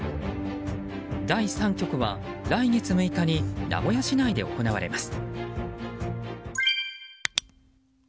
第３局は来月６日に名古屋市内で行われます。